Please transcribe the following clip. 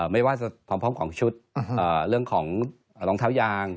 ไม่ว่าจะพร้อมของชุดเรื่องของรองเท้ายาง